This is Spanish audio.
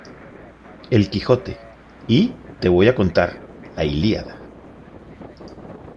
El Quijote" y "Te voy a contar... la Ilíada".